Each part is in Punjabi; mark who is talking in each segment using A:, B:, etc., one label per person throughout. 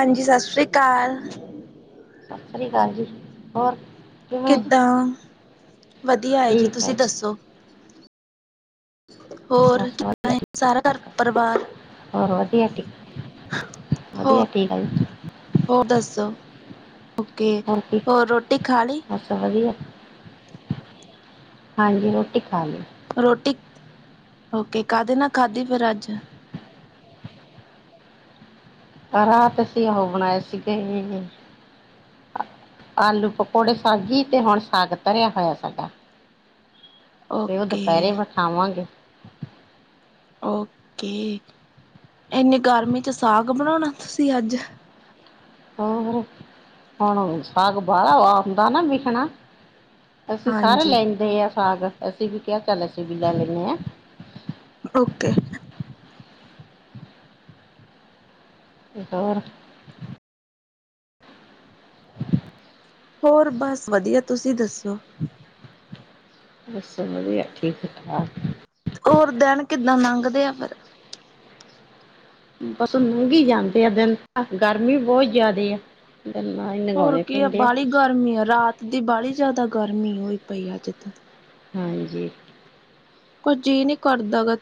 A: ਹਾਂਜੀ ਸਸ ਸ੍ਰੀ ਕਾਲ।
B: ਸਸ ਸ੍ਰੀ ਕਾਲ ਜੀ, ਹੋਰ ਕਿਵੇਂ ਜੀ
A: ਕਿੱਦਾਂ, ਵਧੀਆ ਐ ਜੀ,
B: ਠੀਕ ਹੈ
A: ਤੁਸੀਂ
B: ਜੀ
A: ਦੱਸੋ। ਹੋਰ
B: ਬਸ
A: ਕਿੱਦਾਂ
B: ਵਧੀਆ
A: ਹੈ
B: ਜੀ,
A: ਸਾਰਾ ਘਰ ਪਰਿਵਾਰ
B: [unintelligible] ਹੋਰ ਵਧੀਆ ਵਧੀਆ
A: ਹੋਰ
B: ਠੀਕ ਆ ਜੀ।
A: ਹੋਰ ਦੱਸੋ। ਓਕੇ
B: ਹੋਰ ਕੀ
A: ਰੋਟੀ ਖਾ ਲਈ
B: ਬਸ ਵਧੀਆ, ਹਾਂਜੀ ਰੋਟੀ ਖਾ ਲੀ।
A: ਰੋਟੀ, ਓਕੇ ਕਾਹਦੇ ਨਾਲ ਖਾਧੀ ਫਿਰ ਅੱਜ?
B: ਰਾਤ ਅਸੀਂ ਉਹ ਬਣਾਏ ਸੀਗੇ [unintelligible] ਆਲੂ ਪਕੌੜੇ ਸਬਜੀ ਤੇ ਹੁਣ ਸਾਗ ਧਰਿਆ ਹੋਇਐ ਸਾਡਾ। ਤੇ ਉਹ ਦੁਪਹਿਰੇ
A: ਓਕੇ
B: ਖਾਵਾਵਾਂਗੇ।
A: ਓਕੇ, ਇੰਨੀ ਗਰਮੀ ਚ ਸਾਗ ਬਣਾਉਣਾ ਤੁਸੀਂ ਅੱਜ
B: ਹੋਰ ਹੁਣ ਸਾਗ ਬਾਹਰੋਂ ਆਉਂਦਾ ਨਾ ਵਿਕਣਾ। ਅਸੀਂ ਸਾਰੇ
A: ਹਾਂਜੀ
B: ਲੈਂਦੇ ਆ ਸਾਗ ਅਸੀਂ ਵੀ ਕਿਹਾ ਚੱਲ ਅਸੀਂ ਵੀ ਲੈ ਲੈਂਨੇ ਆਂ।
A: ਓਕੇ
B: ਹੋਰ
A: ਹੋਰ ਬਸ ਵਧੀਆ ਤੁਸੀਂ ਦੱਸੋ।
B: ਬਸ ਵਧੀਆ ਠੀਕ-ਠਾਕ।
A: ਹੋਰ ਦਿਨ ਕਿੱਦਾਂ ਲੰਘਦੇ ਆ ਫਿਰ
B: ਬਸ ਲੰਘੀ ਜਾਂਦੇ ਆ ਦਿਨ ਅੱਜ ਗਰਮੀ ਬਹੁਤ ਜ਼ਿਆਦੇ ਐ। ਗ [unintelligible]
A: ਹੋਰ ਕੀ ਆ ਬਾਹੜੀ ਗਰਮੀ ਆ ਰਾਤ ਦੀ ਬਾਹੜੀ ਜਿਆਦਾ ਗਰਮੀ ਹੋਈ ਪਈ ਅੱਜ ਤਾਂ।
B: ਹਾਂਜੀ
A: ਕੁਝ ਜੀਅ ਨੀ ਕਰਦਾ ਗਾ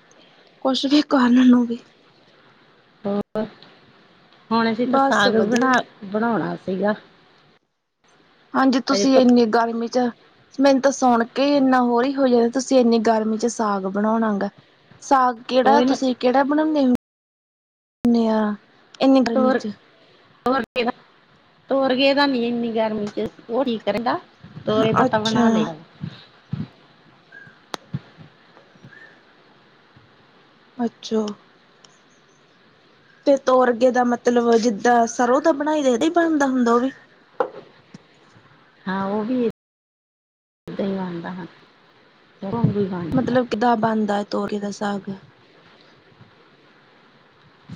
A: ਕੁਛ ਵੀ ਕਰਨ ਨੂੰ ਵੀ
B: ਹੁਣ, ਹੁਣ ਅਸੀਂ ਤਾਂ
A: ਬਸ
B: ਸਾਗ
A: ਵਧੀਆ
B: ਬਣਾ ਬਣਾਉਣਾ ਸੀਗਾ।
A: ਹਾਂਜੀ
B: ਹਜੇ
A: ਤੁਸੀਂ
B: ਤ
A: ਇੰਨੀ ਗਰਮੀ ਚ ਮੈਨੂੰ ਤਾਂ ਸੁਣ ਕੇ ਇੰਨਾ ਹੋਰ ਹੀ ਹੋ ਜਾਂਦਾ ਤੁਸੀਂ ਇੰਨੀ ਗਰਮੀ ਚ ਸਾਗ ਬਣਾਉਣਾ ਗਾ। ਸਾਗ ਕਿਹੜਾ
B: ਕੋਈ ਨਾ
A: ਤੁਸੀਂ ਕਿਹੜਾ ਬਣਾਉਦੇ ਹੋ?
B: ਹੋਰ ਗ ਤੋੁਰ ਗਏ ਤਾਂ ਨੀ ਇੰਨੀ ਗਰਮੀ ਚ, ਉਹ ਠੀਕ ਰਹਿੰਦਾ। ਤ ਇਹਦਾ ਤਾਂ
A: ਅੱਛਾ
B: ਬਣਾ ਲੈ।
A: ਅੱੱਚਾ। ਤੇ ਤੋਰਗੇ ਦਾ ਮਤਲਬ ਜਿੱਦਾਂ ਸਰ੍ਹੋਂ ਦਾ ਬਣਾਈ ਦੇ, ਇਹਦਾ ਹੀ ਬਣਦਾ ਹੁੰਦਾ ਉਹ ਵੀ।
B: ਹਾਂ ਉਹ ਵੀ, ਵੀਦਾਂ ਹੀ ਬਣਦਾ ਵੀਣਦਾ।
A: ਮਤਲਬ ਕਿੱਦਾਂ ਬਣਦਾ ਤੋਰੇ ਦਾ ਸਾਗ?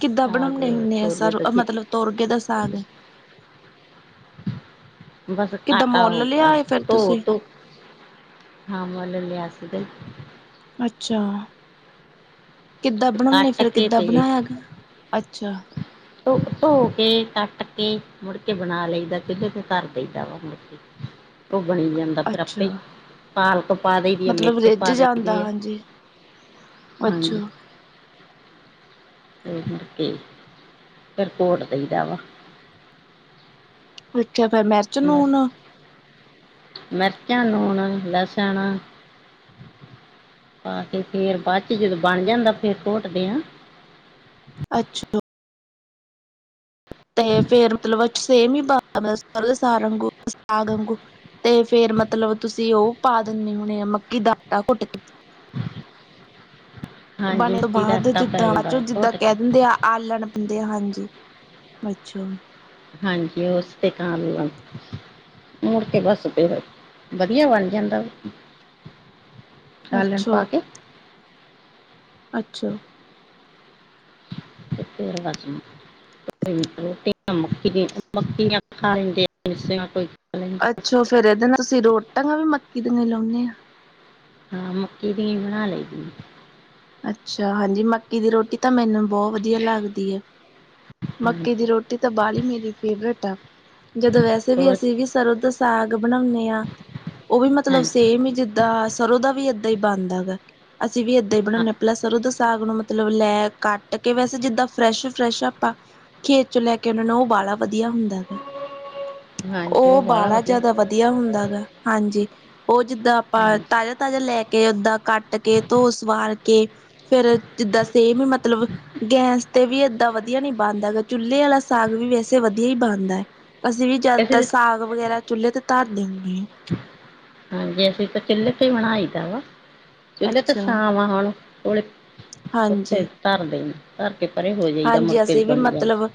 A: ਕਿੱਦਾਂ
B: ਸਾਗ
A: ਬਣਾਉਣੇ ਹੁੰਦੇ ਆ
B: ਤੋਰੀਏ
A: ਸਰੋ
B: ਦਾ ਜੇ
A: ਮਤਲਬ ਤੋਰਗੇ ਦਾ ਸਾਗ?
B: ਬਸ
A: ਕਿੱਦਾਂ
B: ਕਾਟਾ
A: ਮੁੱਲ
B: ਹੋਗਾ
A: ਲਿਆਏ ਫਿਰ
B: ਧੋ
A: ਤੁਸੀਂ
B: ਧੂੰ। ਹਾਂ ਮੁੱਲ ਲਿਆ ਸੀਗਾ ਜੀ।
A: ਅੱਛਾ, ਕਿੱਦਾਂ ਬਣਾਉਣੇ
B: ਕੱਟ
A: ਫਿਰ
B: ਕੇ
A: ਕਿੱਦਾਂ
B: ਤੇ
A: ਬਣਾਇਆ ਗ? ਅੱਛਾ।
B: ਧ ਧੋ ਕੇ ਕੱਟ ਕੇ ਮੁੜਕੇ ਬਣਾ ਲਈਦਾ, ਚੁੱਲ੍ਹੇ ਤੇ ਧਰ ਦੇਈਦਾ ਵਾ ਮੁੜਕੇ। ਉਹ ਬਣੀ ਜਾਂਦਾ ਫਿਰ ਆਪੇ
A: ਅੱਛਾ
B: ਐ। ਪਾਲਕ ਪਾ ਦੇ ਦੀ ਆ,
A: ਮਤਲਬ
B: ਮੇਥੇ
A: ਰਿੱਝ
B: ਪਾ ਦੇਈ
A: ਜਾਂਦਾ
B: ਦੇ ਆ,
A: ਹਾਂਜੀ
B: ਹਾਂਜੀ।
A: ਅੱਛਾ
B: ਫਿਰ ਮੁੜਕੇ, ਫਿਰ ਘੋਟ ਦੇਈਦਾ ਵਾ।
A: ਅੱਛਿਆ ਫਿਰ ਮਿਰਚ
B: ਮਿਰ
A: ਨੂਨ?
B: ਮਿਰਚਾਂ, ਨੂਨ, ਲਸਣ ਪਾ ਕੇ ਫੇਰ ਬਾਅਦ ਚ ਜਦੋਂ ਬਣ ਜਾਂਦਾ ਫੇਰ ਘੋਟਦੇ ਆ।
A: ਅੱਛਾ। ਤੇ ਫੇਰ ਮਤਲਬ ਸੇਮ ਹੀ ਬਣਦਾ, ਸਾਗ ਅੰਗੂ- ਸਾਗ ਅੰਗੂ। ਤੇ ਫੇਰ ਮਤਲਬ ਤੁਸੀਂ ਉਹ ਪਾ ਦਿੰਦੇ ਹੋਣੇ ਆ, ਮੱਕੀ ਦਾ ਆਟਾ ਘੁੱਟਕੇ।
B: ਹਾਂਜੀ
A: ਬਣੇ ਤੋਂ
B: ਮਿੱਟੀ ਦਾ
A: ਬਾਅਦ
B: ਆਟਾ ਪੈ
A: ਜਿੱਦਾ
B: ਜਾਂਦਾ
A: - ਜਿੱਦਾਂ
B: ਘੋਟ
A: ਕਹਿ
B: ਕੇ
A: ਦਿੰਦੇ ਆ। ਆਲਣ ਦਿੰਦੇ ਆ ਹਾਂਜੀ, ਅੱਛਾ।
B: ਹਾਂਜੀ ਉਸ ਤੇ ਕਾਮ੍ਹ ਲੋ। ਮੁੜ ਕੇ ਬੱਸ ਫੇਰ, ਵਧੀਆ ਬਣ ਜਾਂਦਾ ਵਾ। ਆਲਣ
A: ਅੱਛਾ
B: ਪਾ ਕੇ।
A: ਅੱਛਾ।
B: ਸ ਤੇੇਰ ਕਛਮ [unintelligible] ਰੋਟੀ ਮੱਕੀ ਦਾ ਮੱਕੀ ਖਾ ਲੈਂਦੇ।
A: ਪਿੱਛੋਂ ਫੇਰ ਇਹਦੇ ਨਾਲ ਤੁਸੀਂ ਰੋਟੀਆ ਵੀ ਮੱਕੀ ਦੀਆਂ ਲਾਉਂਨੇ ਆ।
B: ਹਾਂ ਮੱਕੀ ਦੀਆਂ ਬਣਾ ਲਈ ਦੀਆਂ।
A: ਅੱਛਾ, ਹਾਂਜੀ ਮੱਕੀ ਦੀ ਰੋਟੀ ਤਾਂ ਮੈਨੂੰ ਬਹੁਤ ਵਧੀਆ ਲੱਗਦੀ ਐ। ਮੱਕੀ
B: ਹਾਂਜੀ
A: ਦੀ ਰੋਟੀ ਤਾਂ ਬਾਹਲੀ ਹੀ ਮੇਰੀ ਫੇਵਰੇਟ ਆ, ਜਦੋਂ ਵੈਸੇ ਵੀ
B: ਹੋਰ
A: ਅਸੀਂ ਵੀ ਸਰੋਂ ਦ ਸਾਗ ਬਣਾਉਣੇ ਆ। ਉਹ ਵੀ ਮਤਲਬ
B: ਹਾਂਜੀ
A: ਸੇਮ ਹੀ ਜਿੱਦਾਂ ਸਰੋਂ ਦਾ ਵੀ ਏਦਾਂ ਹੀ ਬਣਦਾ ਗਾ। ਅਸੀਂ ਵੀ ਏਦਾਂ ਹੀ ਬਣਾਉਂਦੇ ਹਾਂ। ਸਰੋਂ ਦੇ ਸਾਗ ਨੂੰ ਮਤਲਬ ਲੈ ਕੱਟ ਕੇ ਵੈਸੇ ਜਿੱਦਾਂ ਫਰੈਸ਼- ਫਰੈਸ਼ ਆਪਾਂ ਖੇਤ ਚੋਂ ਲੈ ਕੇ ਉਹ ਨੂੰ ਉਹ ਬਾਹਲਾ ਵਧੀਆ ਹੁੰਦਾਗਾ, ਉਹ ਬਾਹਲਾ ਜ਼ਿਆਦਾ ਵਧੀਆ ਵਧੀਆ ਹੁੰਦਾ ਗਾ, ਹਾਂਜੀ। ਉਹ ਜਿੱਦਾਂ ਆਪਾਂ
B: ਹਾਂਜੀ
A: ਤਾਜ਼ਾ- ਤਾਜ਼ਾ ਲੈ ਕੇ ਓਦਾਂ ਕੱਟ ਕੇ ਧੋ ਸਵਾਰ ਕੇ ਫੇਰ ਜਿੱਦਾਂ ਸੇਮ ਮਤਲਬ ਗੈਸ ਤੇ ਵੀ ਏਦਾਂ ਵਧੀਆ ਨੀ ਬਣਦਾ ਹੈਗਾ, ਚੁੱਲ੍ਹੇ ਵਾਲਾ ਸਾਗ ਵੀ ਵੈਸੇ ਵਧੀਆ ਹੀ ਬਣਦਾ। ਅਸੀਂ ਵੀ ਜਿਆਦਾਤਰ
B: ਅਸੀਂ
A: ਸਾਗ ਵਗੈਰਾ ਚੁੱਲ੍ਹੇ ਤੇ ਧਰਦੇਨੇਆ ਹਾਂ।
B: ਹਾਂਜੀ ਅਸੀਂ ਤਾਂ ਚੁੱਲ੍ਹੇ ਤੇ ਹੀ ਬਣਾਈ ਦਾ ਵਾ। ਚੁੱਲੇ ਤੇ
A: ਅੱਛਾ
B: ਛਾਂਵ ਆ ਹੁਣ ਕੋਲੇ ਉੱਥੇ
A: ਹਾਂਜੀ
B: ਧਰਦੇ ਨੇ ਧਰ ਕੇ ਪਰੇ ਹੋ ਜਾਈਦਾ ਮੁੜ
A: ਹਾਂਜੀ
B: ਕੇ
A: ਅਸੀਂ ਵੀ
B: ਬਣ ਜਾਂਦਾ
A: ਮਤਲਬ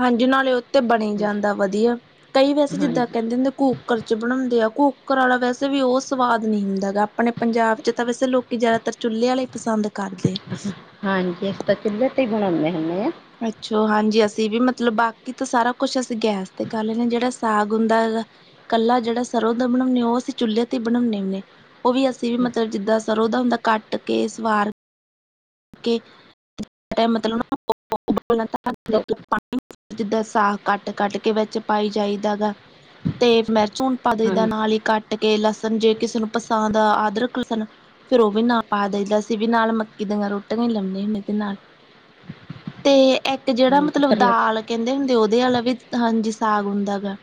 A: ਹਾਂਜੀ ਨਾਲੇ ਉੱਥੇ ਬਣੀ ਜਾਂਦਾ ਵਧੀਆ। ਕਈ ਵੈਸੇ ਜਿੱਦਾਂ
B: ਹਾਂਜੀ
A: ਕਹਿੰਦੇ ਹੁੰਦੇ ਘੂ ਕੁੱਕਰ ਚ ਬਣਾਉਂਦੇ ਆ। ਕੁੂੱਕਰ ਵਾਲਾ ਵੈਸੇ ਵੀ ਉਹ ਸਵਾਦ ਨਹੀਂ ਹੁੰਦਾ ਗਾ। ਆਪਣੇ ਪੰਜਾਬ ਚ ਤਾਂ ਵੈਸੇ ਲੋਕੀਂ ਜ਼ਿਆਦਾਤਰ- ਚੁੱਲ੍ਹੇ ਆਲਾ ਈ ਪਸੰਦ ਕਰਦੇ ਐ।
B: ਹਾਂਜੀ ਅਸੀਂ ਤਾਂ ਚੁੱਲ੍ਹੇ ਤੇ ਹੀ ਬਣਾਉਂਦੇ ਹੁੰਨੇ ਆ।
A: ਅੱਛਾ ਹਾਂਜੀ ਅਸੀਂ ਵੀ ਮਤਲਬ ਬਾਕੀ ਤਾਂ ਸਾਰਾ ਕੁਛ ਅਸੀਂ ਗੈਸ ਤੇ ਕਰ ਲੈਂਨੇ ਆਂ, ਜਿਹੜਾ ਸਾਗ ਹੁੰਦਾ ਗਾ। ਕੱਲਾ ਜਿਹੜਾ ਸਰ੍ਹੋਂ ਦਾ ਬਣਾਉਂਨੇ, ਉਹ ਅਸੀਂ ਚੁੱਲ੍ਹੇ ਤੇ ਈ ਬਣਾਉਂਨੇ ਹੁਣੇ ਉਹ ਵੀ ਅਸੀਂ ਵੀ ਮਤਲਬ ਜਿੱਦਾਂ ਸਰ੍ਹੋਂ ਉਹ ਦਾ ਹੁੰਦਾ ਕੱਟ ਕੇ ਸਵਾਰ ਕੇ ਕੇ ਮਤਲਬ
B: ਤੋ
A: [unintelligible] [inaudible] ਜਿੱਦਾਂ ਸਾਗ ਕੱਟ-ਕੱਟ ਕੇ ਵਿੱਚ ਪਾਈ ਜਾਈਦਾ ਨਾ। ਤੇ ਮਿਰਚ ਨੂਨ ਪਾ ਦੇਈਂ ਦਾ,
B: ਹਾਂਜੀ
A: ਨਾਲ ਈ ਕੱਟ ਕੇ ਜੇ ਲਸਣ ਜੇ ਕਿਸੇ ਨੂੰ ਪਸੰਦ ਐ ਅਦਰਕ, ਲਸਣ ਫੇਰ ਉਹ ਵੀ ਨਾ ਪਾ ਦਈਦਾ ਅਸੀਂ ਵੀ ਨਾਲ ਮੱਕੀ ਦੀਆਂ ਰੋਟੀਆਂ - ਰੋਟੀਆਂ ਲਾਉਣੇ ਹੁੰਣੇਦੇ ਨਾਲ, ਤੇ ਇੱਕ ਜਿਹੜਾ
B: ਹਾਂਜੀ
A: ਮਤਲਬ
B: ਪਰ ਲੱਸ
A: ਦਾਲ ਕਹਿੰਦੇ ਹੁੰਦੇ ਉਹਦੇ ਆਲਾ ਵੀ ਹਾਂਜੀ ਸਾਗ ਹੁੰਦਾ ਵੈ।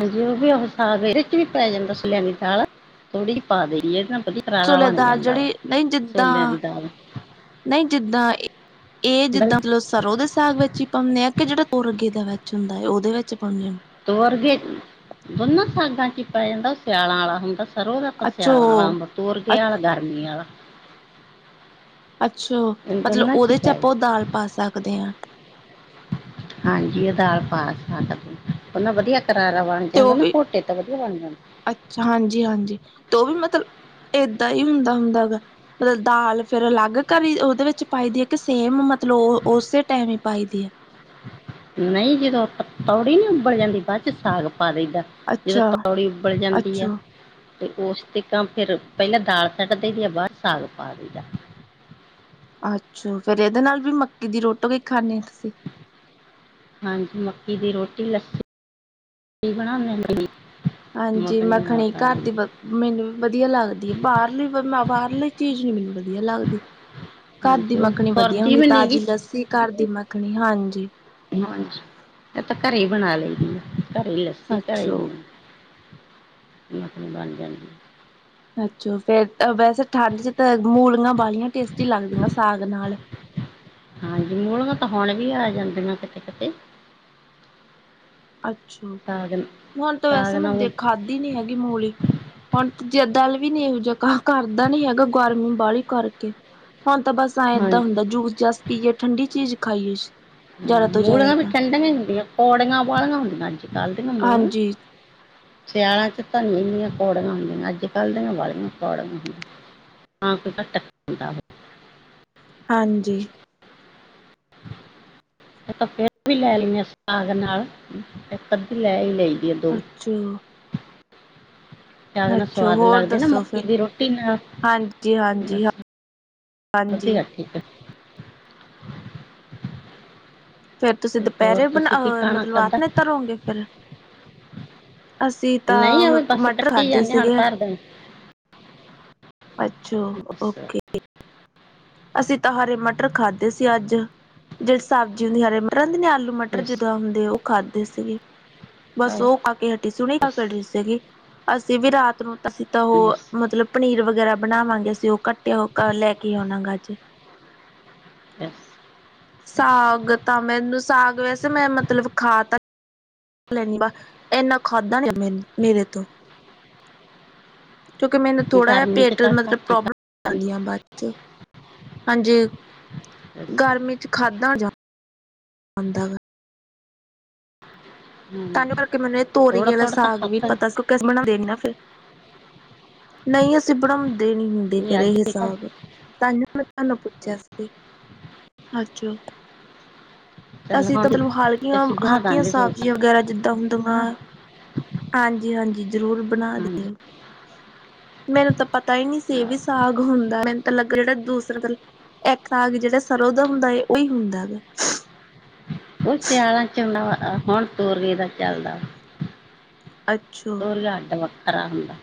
B: ਹਾਂਜੀ, ਉਹ ਵੀ ਉਹ ਸਾਗ ਇਹਦੇ ਚ ਵੀ ਪੈ ਜਾਂਦਾ ਸਲਿਆਣੀ ਦਾਲ ਥੋੜ੍ਹੀ ਜਿਹੀ ਪਾ ਦੇਗੀ ਇਹਦੇ ਨਾਲ ਵਧੀ
A: ਚਲੇ ਦਾਲ ਜਿਹੜੀ ਨਹੀਂ ਜਿੱਦਾਂ
B: ਦੀ ਦਾਲ
A: ਨਹੀਂ ਜਿੱਦਾਂ ਇਹ
B: ਦਲ
A: ਜਿੱਦਾਂ ਮਤਲਬ ਸਰ੍ਹੋਂ ਦੇ ਸਾਗ ਵਿੱਚ ਹੀ? ਪਾਉਣੇ ਆਂ ਕਿ ਜਿਹੜਾ ਤੋਰਗੇ ਦਾ ਵਿੱਚ ਹੁੰਦਾ ਹੈ ਉਹਦੇ ਵਿੱਚ ਪਾਉਂਨੇ ਆਂ
B: ਤੇ ਹੋਰ ਕੀ, ਦੋਨਾਂ ਸਾਗਾਂ ਚ ਪੈ ਜਾਂਦਾ ਉਹ ਸਿਆਲਾਂ ਆ ਹੁੰਦਾ‌ ਸਰੋ ਤਾਂ
A: ਅੱਛਾ
B: ਸਿਆਲਾ ਵਾਲਾ ਅੰਬ, ਤੁਰਤੇ ਆਲਾ ਹਾ ਗਰਮੀ ਆਲਾ।
A: ਅੱਛਾ,
B: ਇਹ
A: ਮਤਲਬ
B: ਦੋਨਾਂ ਹੀ
A: ਉਹਦੇ ਚ
B: ਪੈ
A: ਆਪਾਂ ਉਹ ਦਾਲ ਪਾ ਸਕਦੇ ਆਂ?
B: ਹਾਂਜੀ ਉਹ ਦਾਲ ਪਾ ਸਕਦੇ ਆ। ਉਹ ਨਾ ਵਧੀਆ ਕਰਾਰਾ ਬਣ
A: ਤੇ
B: ਜਾਂਦਾ
A: ਉਹ
B: ਨਾ
A: ਵੀ
B: ਘੋਟੇ ਤਾਂ ਵਧੀਆ ਬਣ ਜਾਂਦਾ।
A: ਅੱਛਾ ਹਾਂਜੀ ਹਾਂਜੀ ਤੇ ਉਹ ਵੀ ਮਤਲਬ ਏਦਾਂ ਹੀ ਹੁੰਦਾ ਹੁੰਦਾ ਗਾ। ਮਤਲਬ ਦਾਲ ਫਿਰ ਅਲੱਗ ਕਰੀ ਉਹਦੇ ਵਿੱਚ ਪਾਈ ਦੀ ਹੈ ਕਿ ਸੇਮ ਮਤਲਬ ਉਸੇ ਟਾਈਮ ਹੀ ਪਾਈ ਦੀ ਆ?
B: ਨਹੀਂ, ਜਦੋਂ ਥੋੜੀ ਨਹੀਂ ਉਬਲ ਜਾਂਦੀ ਬਾਅਦ ਚ ਸਾਗ ਪਾ ਦੇਈਦਾ। ਜਦੋਂ
A: ਅੱਛਾ
B: ਥੋੜੀ ਉਬਲ ਜਾਂਦੀ ਆ।
A: ਅੱਛਾ
B: ਤੇ ਉਸ ਤੇ ਕ ਫਿਰ ਪਹਿਲਾਂ ਦਾਲ ਸੱਟ ਦੇਈ ਦੀ ਐ ਬਾਦ ਚ ਸਾਗ ਪਾ ਦੇਈ ਦਾ।
A: ਅੱਛਾ, ਫਿਰ ਇਹਦੇ ਨਾਲ ਵੀ ਮੱਕੀ ਦੀ ਰੋਟੀ ਵੀ ਖਾਣੇ ਹੋ ਤੁਸੀਂ?
B: ਹਾਂਜੀ ਮੱਕੀ ਦੀ ਰੋਟੀ, ਲੱਸੀ ਬਣਾਉਂਦੇ ਹ ਮੇਰੀ।
A: ਹਾਂਜੀ, ਮੱਖਣੀ ਘਰ ਦੀ ਬਹੁ ਮੈਨੂੰ ਵਧੀਆ ਲੱਗਦੀ ਆ। ਬਾਹਰਲੀ ਫਿਰ ਮੈਂ ਬਾਹਰਲੀ ਚੀਜ਼ ਨੀ ਮੈਨੂੰ ਵਧ ਵਧਆ ਲੱਗਦੀ। ਘਰ ਦੀ
B: ਹਾਂਜੀ ਉਹ
A: ਮੱਖਣੀ ਵਧੀਆ
B: ਫੁਰਦੀ
A: ਹੁੰਦੀ
B: ਵੀ ਨੀ
A: ਤਾਜ਼ੀ
B: ਗੀ
A: ਲੱਸੀ, ਘਰ ਦੀ ਮੱਖਣੀ ਹਾਂਜੀ।
B: ਹਾਂਜੀ, ਇਹ ਤਾਂ ਘਰੇ ਹੀ ਬਣਾ ਲਈਦੀ ਆ ਘਰੇ ਲੱਸੀ। ਘਰੇ
A: ਅੱਛਾ
B: ਈ ਮਖਣੀ ਬਣ ਜਾਦੀ ਐ।
A: ਅੱਛਾ ਫਿਰ ਵੈਸੇ ਠੰਡ ਚ ਤਾਂ ਮੂਲਗੀਆਂ ਬਾਹੀਆਂ ਟੇਸਟੀ ਲੱਗਦੀਆਂ ਸਾਗ ਨਾਲ।
B: ਹਾਂਜੀ ਮੂਲੀਆਂ ਤਾਂ ਹੁਣ ਵੀ ਆ ਜਾਂਦੀਆਂ ਕਿਤੇ-ਕਿਤੇ।
A: ਅੱਛਾ,
B: ਸਾਗ
A: ਹੁਣ ਤਾਂ
B: ਸਾਗ
A: ਵੈਸੇ ਮੈਂ
B: ਨਾਲ
A: ਖਾਧੀ ਨੀ ਹੈਗੀ ਮੂਲੀ। ਹੁਣ ਜਿੱਦ ਵੀ ਨਹੀਂ ਇਹੋ ਜਿਹਾ ਕ ਕਰਦਾ ਨੀ ਹੈਗਾ, ਗਰਮੀ ਬਾਹਲੀ ਕਰਕੇ। ਹੁਣ ਤਾਂ ਬਸ ਆ ਏਦਾਂ
B: ਹਾਂਜੀ
A: ਹੁੰਦਾ। ਜੂਸ-ਜਾਸ ਪੀਏ ਠੰਡੀ ਚੀਜ਼ ਖਾਈਏ। ਤੋਂ ਜ਼ਿਆਦਾ
B: ਮੂਲੀਆਂ ਵੀ
A: ਤਾਂ
B: ਠੰਡੀਆ ਹੀ ਹੁੰਦੀਆਂ। ਕੌੜੀਆਂ ਵਾਲੀਆਂ ਹੁੰਦੀਆਂ ਅੱਜ-ਕੱਲ੍ਹ ਦੀਆਂ।
A: ਹਾਂਜੀ
B: ਸਿਆਲਿਆਂ ਚ ਤਾ ਮੂਲਿਆਂ ਕੌੜੀਆਂ ਹੁੰਦੀਆਂ। ਅੱਜ-ਕੱਲ੍ਹ ਦੀਆਂ ਵਾਲੀਆਂ ਕੌੜਾਂ ਹੁੰਦੀਆਂ। ਹਾਂ ਕੋਈ ਘੱ [unintelligible] ਤੱਕੁੰਦਾ
A: ਹਾਂਜੀ
B: ਇਹ ਤਾਂ ਫਿਰ ਵੀ ਲੈ ਲਈਏ ਸਾਗ ਨਾਲ ਇੱਕ-ਅੱਧੀ ਲੈ ਹੀ ਲਈ।
A: ਅੱਛਾ
B: ਸਾਗ ਨਾਲ
A: ਅੱਛਾ
B: ਸਵਾਦ
A: ਹੋਰ
B: ਲੱਗਦੇ ਨਾ
A: ਦੱਸੋ
B: ਮੱਕੀ
A: ਫਿਰ
B: ਦੀ ਰੋਟੀ ਨਾਲ
A: ਹਾਂਜੀ ਹਾਂਜੀ ਹਾਂ
B: ਬਸ
A: ਹਾਂਜੀ
B: ਵਧੀਆ ਠੀਕ ਹੈ
A: ਫਿਰ ਤੁਸੀਂ
B: ਤੇ ਹੋਰ
A: ਦੁਪਹਿਰੇ ਬਣਾ
B: ਤੁਸੀਂ ਕੀ
A: ਅਹ
B: ਖਾਣਾ
A: ਮਤਲਬ
B: ਖਾਧਾ
A: [unintelligible] ਅਸੀਂ ਤਾਂ
B: ਨਹੀਂ
A: ਉਹ
B: ਆਵੇ
A: ਕ
B: ਬਸ
A: ਮਟਰ
B: ਕੱਟੀ
A: ਖਾਧੇ
B: ਜਾਂਦੇ ਹਾਂ, ਹੁਣ
A: ਸੀਗੇ
B: ਧਰ ਦੇ
A: ਅੱਛੋ
B: ਬਸ
A: ਓਕੇ ਅਸੀਂ ਤਾਂ ਹਰੇ ਮਟਰ ਖਾਦੇ ਸੀ ਅੱਜ ਜਿਹੜੀ ਸਬਜ਼ੀ ਹੁੰਦੀ ਹਰੇ ਮਟਰਦੇ ਨੇ ਆਲੂ ਮਟਰ
B: ਬਸ
A: ਜਦੋਂ ਆਉਂਦੇ ਉਹ ਖਾਦੇ ਸੀਗੇ ਬਸ
B: ਆਹੋ,
A: ਉਹ ਖਾਕੇ ਹਟੀ ਸੀ ਹੁਣੇ ਹੀ
B: ਬਸ
A: ਖਾਕੇ ਹਟੀ ਸੀਗੀ ਅਸੀਂ ਵੀ ਰਾਤ ਨੂੰ ਤਾਂ ਅਸੀਂ ਤਾਂ ਉਹ
B: ਬਸ
A: ਮਤਲਬ ਪਨੀਰ ਵਗੈਰਾ ਬਣਾਵਾਂਗੇ ਅਸੀਂ ਉਹ ਕੱਟਿਆ [unintelligible] ਲੇ ਕੇ ਆਉਣਾ ਗ ਅੱਜ
B: [unintelligible]
A: ਸਾਗ ਤਾਂ ਮੈਨੂੰ ਸਾਗ ਵੈਸੇ ਮੈਂ ਮਤਲਬ ਖਾ ਤਾਂ ਲੈਣੀ ਬਾ ਇੰਨਾ ਖਾਧਾ ਨੀ [unintelligible] ਮ ਮੇਰੇ ਤੋਂ ਕਿਉਂਕਿ ਮੈਨੂੰ ਥੋੜ੍ਹਾ ਜਿਹਾ
B: ਗਰਮੀ ਚ
A: ਪੇਟ
B: ਤਾਂ
A: ਮਤਲਬ
B: ਘੱਟ ਹੀ
A: ਪ੍ਰੋਬਲਮ ਹੋ ਜਾਂਦੀਆਂ ਬਾਅਦ ਚ ਹਾਂਜੀ
B: ਖਾਂਦੇ ਸੀ
A: ਗਰਮੀ ਚ ਖਾਧਾ [unintelligible] ਜਾਂਦਾ ਵਾ ਤੁਹਾਨੂੰ ਕਰਕੇ ਮਨੇ ਤੋਰੀ
B: ਥੋੜਾ
A: ਆਲਾ
B: ਥੋੜਾ ਤਾਂ
A: ਸਾਗ ਵੀ
B: ਖਾਧਾ ਹੀ।
A: ਪਤਾ ਸੀ [unintelligible] ਫਿਰ ਨਹੀਂ ਅਸੀਂ ਬਣਾਉਂਦੇ ਨੀ ਹੁੰਦੇ ਘਰੇ
B: ਅੱਜ
A: ਇਹ
B: ਹੀ ਖਾ
A: ਸਾਗ [unintelligible] ਪੁੱਛਿਆ ਸੀ ਤੇ ਅੱਛਾ
B: ਚੱਲ
A: ਅਸੀਂ
B: ਹੁਣ
A: ਤਾਂ ਮਤਲਬ ਹਲਕੀਆਂ
B: ਅਸੀਂ ਬਣਾ
A: ਹਲਕੀਆਂ
B: ਦਾਂਗੇ ਸੋਸ
A: ਸਬਜ਼ੀਆਂ ਗੈਰਾ ਜਿੱਦਾਂ ਹੁੰਦੀਆਂ ਆਂਜੀ ਹਾਂਜੀ ਜ਼ਰੂਰ ਬਣਾ
B: ਹਾਂਜੀ
A: ਦੀਏ ਮੈਨੂੰ ਤਾਂ ਪਤਾ ਹੀ ਨਹੀ ਸੀ ਵੀ
B: ਆਹ,
A: ਸਾਗ ਹੁੰਦਾ ਮੈਨੂੰ ਤਾਂ ਲੱਗਾ ਜਿਹੜਾ ਦੂਸਰੇ [unintelligible] ਏੱਕ ਸਾਗ ਜਿਹੜਾ ਸਰੋਂ ਦਾ ਹੁੰਦਾ ਹੈ ਉਹੀ ਹੁੰਦਾ ਹੇਗਾ
B: ਉਹ ਸਿਆਲਾਂ ਚ ਹੁੰਨਾ ਵਾ ਅ ਹੁਣ ਤੋਰੀਏ ਦਾ ਚੱਲਦਾ
A: ਅੱਛਾ
B: ਤੋਰੀਆ ਅੱਡ ਵੱਖਰਾ ਹੁੰਦਾ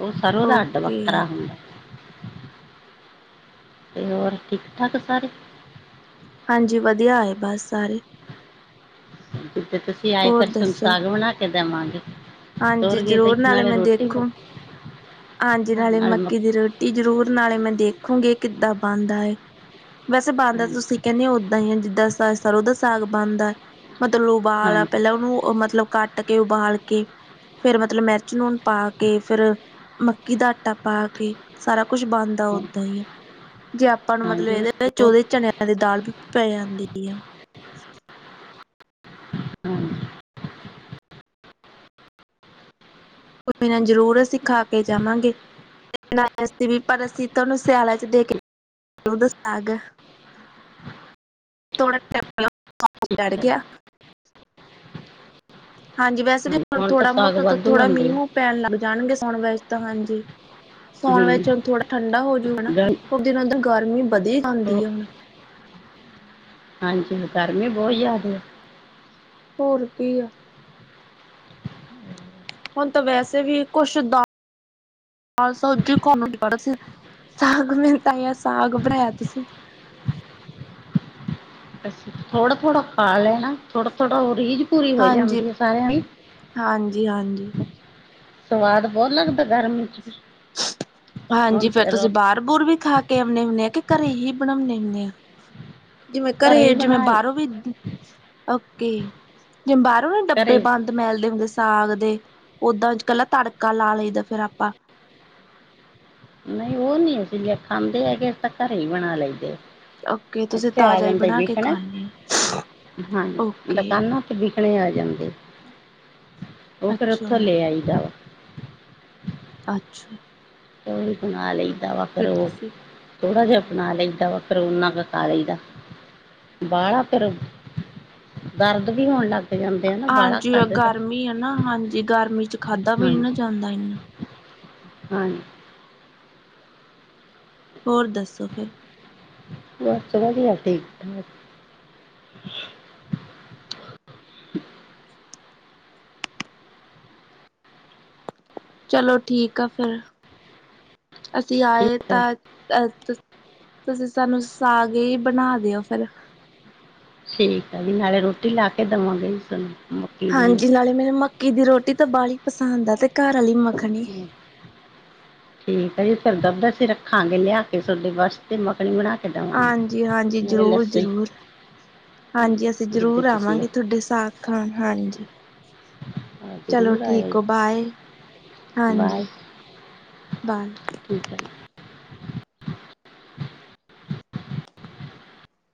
B: ਉਹ ਸਰ੍ਹੋਂ ਦਾ ਅੱਡ
A: ਓਕੇ
B: ਵੱਖਰਾ ਹੁੰਦਾ ਤੇ ਹੋਰ ਠੀਕ ਠਾਕ ਸਾਰੇ
A: ਹਾਂਜੀ ਵਧੀਆ ਹੈ ਬਸ ਸਾਰੇ
B: ਜਿੱਦੇ ਤੁਸੀਂ ਆਏ
A: ਹੋਰ
B: ਫਿਰ ਸੋਨੂੰ
A: ਦੱਸੋ
B: ਸਾਗ ਬਣਾ ਕੇ ਦੇਵਾਂਗੇ
A: ਹਾਂਜੀ
B: ਤੋਰਵੀਏ ਦਾ ਈ
A: ਜ਼ਰੂਰ
B: ਨਾਲੇ
A: ਮੈਂ
B: ਰੋਟੀਆਂ
A: ਦੇਖੂ ਹਾਂਜੀ ਨਾਲੇ ਮੱਕੀ ਦੀ ਰੋਟੀ ਜ਼ਰੂਰ ਨਾਲੇ ਮੈਂ ਦੇਖੂਗੀ ਕਿੱਦਾਂ ਬਣਦਾ ਐ ਵੈਸੇ ਬਣਦਾ ਤਾਂ ਤੁਸੀਂ
B: ਹਾਂਜੀ
A: ਕਹਿੰਣੇ ਹੋ ਓਦਾਂ ਹੀ ਹੈ ਜਿੱਦਾਂ ਸ ਸਰੋਂ ਦਾ ਸਾਗ ਬਣਦਾ ਮਤਲਬ ਉਬਾਲ
B: ਹਾਂਜੀ
A: ਪਹਿਲਾਂ ਉਹਨੂੰ ਉਹ ਉ ਮਤਲਬ ਕੱਟ ਕੇ ਉਬਾਲ ਕੇ ਫੇਰ ਮਤਲਬ ਮੇਰਚ ਨੂਨ ਪਾ ਕੇ ਫੇਰ ਮੱਕੀ ਦਾ ਆਟਾ ਪਾ ਕੇ ਸਾਰਾ ਕੁੱਛ ਬਣਦਾ
B: ਹਾਂ,
A: ਓਦਾਂ ਹੀ ਆ ਜੇ ਆ ਪਾਂ ਨੂੰ ਮਤਲਬ
B: ਹਾਂਜੀ
A: ਇਹਦੇ
B: ਉਸ
A: ਵਿੱਚ ਉਹਦੇ ਚਣਿਆਂ ਦੀ ਦਾਲ ਵੀ ਪੈ ਜਾਂਦੀ ਆ
B: ਹਾਂਜੀ
A: ਕੋਈ ਨਾ ਜ਼ਰੂਰ ਅਸੀਂ ਖਾ ਕੇ ਜਾਵਾਂਗੇ [unintelligible] ਪਰ ਅਸੀਂ ਤੁਹਾਨੂੰ ਸਿਆਲਾਂ ਚ ਦੇ ਕੇ [inaudible] ਸਰੋਂ ਦਾ ਸਾਗ ਥੋੜਾ [unintelligible] ਚੜ ਗਿਆ ਹਾਂਜੀ ਵੈਸੇ ਵੀ ਹੁਣ
B: ਤਾਂ
A: ਥੋੜਾ
B: ਸਾਗ
A: ਮੋਟਾ ਤੇ
B: ਵਾਧੂ
A: ਥੋੜਾ
B: ਹੁੰਦੇ
A: ਮੀਂਹ ਮੂੰਹ ਪੈਣ ਲੱਗ ਜਾਣਗੇ ਸੋਣ [unintelligible] ਤਾਂ ਹਾਂਜੀ ਸੋਣ
B: ਹੂੰ
A: ਵਿੱਚ ਹੁਣ ਥੋੜਾ ਠੰਡਾ ਹੋਜੂ ਹਨਾ
B: ਗਰ-
A: ਕਿਉ ਦਿਨੋ ਦਿਨ ਗਰਮੀ ਬਧੀ ਜਾਂਦੀ ਹੈ ਹੁਣ
B: ਹਾਂਜੀ ਗਰਮੀ ਬਹੁਤ ਜ਼ਿਆਦੇ ਐ
A: ਹੋਰ ਕੀ ਆ ਹੁਣ ਤਾਂ ਵੈਸੇ ਵੀ ਕੁੱਛ ਦਾ ਦਾਲ਼ ਸਬਜੀ [unintelligible] ਸਾਗ ਬਣਾਇਆ ਤੁਸੀਂ
B: ਅਸੀਂ ਥੋੜਾ ਥੋੜਾ ਖਾ ਲੈਣਾ ਥੋੜਾ ਥੋੜਾ ਉਹ ਰੀਝ ਪੂਰੀ ਹੋ
A: ਹਾਂਜੀ
B: ਜਾਂਦੀ ਆ ਸਾਰਿਆਂ ਦੀ
A: ਹਾਂਜੀ ਹਾਂਜੀ
B: ਸਵਾਦ ਬਹੁਤ ਲੱਗਦਾ ਗਰਮੀ ਚ ਵੀ।
A: ਹਾਂਜੀ
B: ਹੁਣ
A: ਫੇਰ
B: ਤੇ
A: ਤੁਸੀਂ
B: ਰੋ-
A: ਬਾਹਰ ਬੁਹਰ ਵੀ ਖਾ ਕੇ ਆਉਂਣੇ ਹੁੰਨੇ ਆ ਕੇ ਘਰੇ ਹੀ ਬਣਾਉਣੇ ਹੁੰਨੇ ਆ? ਜਿਵੇਂ ਘਰੇ
B: ਹੀ
A: ਜਿਵੇਂ
B: ਬਣਾ ਲ-
A: ਬਾਹਰੋਂ ਵੀ ਓਕੇ ਜਿਵੇਂ ਬਾਹਰੋਂ ਨੀ ਡੱਬੇ
B: ਘਰੇ
A: ਬੰਦ ਮਿਲ ਦੇ ਹੁੰਦੇ ਸਾਗ ਦੇ ਓਦਾਂ ਅੱਜ ਕੱਲ੍ਹ ਤੜਕਾ ਲਾ ਲਈਦਾ ਫੇਰ ਆਪਾਂ।
B: ਨਹੀਂ ਉਹ ਨੀ ਅਸੀਂ ਖਾਂਦੇ ਹੈਗੇ ਅਸੀਂ ਤਾਂ ਘਰੇ ਹੀ ਬਣਾ ਲੇਈਦੇ ਆ।
A: ਓਕੇ ਤੁਸੀਂ
B: [unintelligible] ਆ
A: ਤਾਜ਼ਾ ਹੀ
B: ਜਾਂਦੇ
A: ਬਣਾ ਕੇ ਖਾਂਦੇ ਹੋ
B: [unintelligible] ਹਾਂ
A: ਓਕੇ
B: ਦੁਕਾਨਾਂ ਵਿਕਣੇ ਆ ਜਾਂਦੇ ਉਹ ਫੇਰ
A: ਅੱਛਾ
B: ਉੱਥੋਂ ਲੈ ਆਈਦਾ ਵਾ।
A: ਅੱਛਾ।
B: ੳਦੋ ਬਣਾ ਲਈਦਾ ਵਾ ਫੇਰ
A: ਫਿਰ ਤੁਸੀਂ
B: [unintelligible] ਥੋੜ੍ਹਾ ਜਿਹਾ ਬਣਾ
A: ਠੀਕ ਆ।
B: ਲਈਦਾ ਫੇਰ ਉਹਨਾਂ ਕਾ ਖਾਂ ਲਈਦਾ। [unintelligible] ਫੇਰ ਦਰਦ ਵੀ ਹੋਣ ਲੱਗ ਜਾਂਦੇ ਆ ਨਾ ਬਾਹਲਾ
A: ਹਾਂਜੀ
B: ਖਾਧੇ ਦਾ
A: ਗਰਮੀ ਹੈ ਨਾ ਹਾਂਜੀ ਗਰਮੀ ਚ ਖਾਂਧਾ ਵੀ ਨੀ ਨਾ
B: ਹਾਂਜੀ
A: ਜਾਂਦਾ ਇਨਾ।
B: ਹਾਂਜੀ।
A: ਹੋਰ ਦੱਸੋ ਫੇਰ?
B: ਬਸ ਵਧੀਆ ਠੀਕ ਠਾਕ।
A: ਚਲੋ ਠੀਕ ਆ ਫੇਰ ਅਸੀਂ ਆਏ
B: ਠੀਕ ਹੈ
A: ਤਾਂ ਅ ਤੁਸੀਂ ਸਾਨੂੰ ਸਾਗ ਹੀ ਬਣਾ ਦਿਓ ਫੇਰ।
B: ਠੀਕ ਆ ਜੀ ਨਾਲੇ ਰੋਟੀ ਲਾ ਕੇ ਦਵਾਂਗੇ ਜੀ। [unintelligible] ਦੀ
A: ਹਾਂਜੀ ਨਾਲੇ ਮੇਰੇ ਮੱਕੀ ਦੀ ਰੋਟੀ ਤਾਂ ਬਾਹਲੀ ਹੀ ਪਸੰਦ ਆ ਤੇ ਘਰ ਵਾਲੀ ਮੱਖ
B: ਹਮ [unintelligible] ਠੀਕ ਹੈ ਜੀ ਫੇਰ [unintelligible] ਅਸੀਂ ਰੱਖਾਂਗੇ ਲਿਆ ਕੇ ਤੁਹਾਡੇ ਵਾਸਤੇ ਮੱਖਣੀ ਬਣਾ ਕੇ ਦੇਵਾਂਗੇ
A: ਹਾਂਜੀ ਹਾਂਜੀ
B: ਨਾਲੇ
A: ਜ਼ਰੂਰ
B: ਲੱਸੀ
A: ਜ਼ਰੂਰ। ਹਾਂਜੀ ਅਸੀਂ
B: ਜਿੱਦੇ
A: ਜ਼ਰੂਰ
B: ਤੁਸੀਂ
A: ਆਵਾਂਗੇ ਤੁਹਾਡੇ ਸਾਗ ਖਾਣ ਹਾਂਜੀ।
B: ਹਾਂ
A: [inaudible] ਚਲੋ
B: ਜ਼ਰੂਰ ਆਇਓ
A: ਠੀਕ
B: ਜੀ
A: ਬਾਏ।
B: ਬਾਏ
A: ਹਾਂਜੀ ਬਾਏ।
B: [unintelligible] ਠੀਕ ਹੈ।